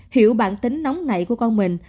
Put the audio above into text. hiểu bản tính nóng nảy của con mình